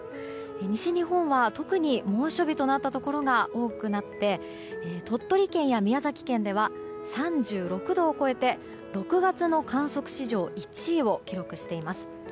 西日本は特に猛暑日となったところが多くなって鳥取県や宮崎県では３６度を超えて６月の観測史上１位を記録しています。